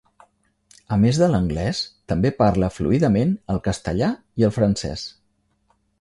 A més de l'anglès, també parla fluidament el castellà i el francès.